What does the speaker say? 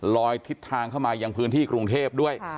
ทิศทางเข้ามายังพื้นที่กรุงเทพด้วย